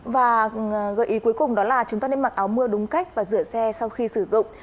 và gợi ý cuối cùng đó là chúng ta nên mặc áo mưa đúng cách và rửa xe sau khi sử dụng